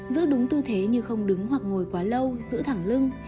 giữ đúng tư thế như không đứng hoặc ngồi quá lâu giữ thẳng lưng